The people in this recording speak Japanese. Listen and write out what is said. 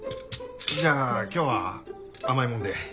じゃあ今日は甘いもんで。